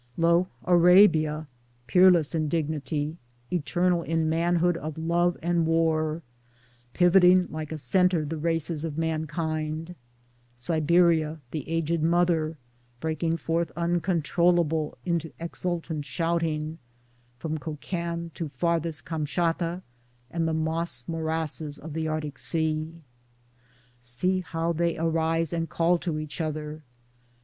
] Lo, Arabia ! peerless in dignity, eternal in manhood of love and war — pivoting like a centre the races of man kind ; Siberia, the aged mother, breaking forth uncontrollable into exultant shouting, from Kokan to farthest Kamschatka and the moss morasses of the Arctic Sea ! See how they arise and call to each other